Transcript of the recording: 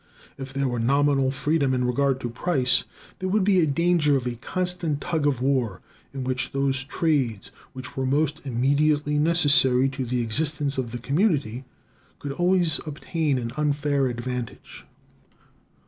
If there were nominal freedom in regard to price, there would be a danger of a constant tug of war, in which those trades which were most immediately necessary to the existence of the community could always obtain an unfair advantage.